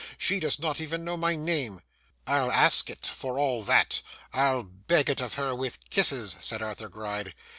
She does not even know my name.' 'I'll ask it for all that. I'll beg it of her with kisses,' said Arthur Gride.